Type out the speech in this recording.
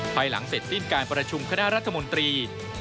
ภายหลังเสร็จสิ้นการประชุมคณะรัฐมนตรี